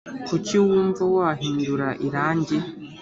kuki wumva wahindura irangi